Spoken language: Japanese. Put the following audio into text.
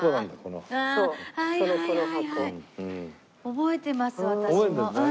覚えてます私も。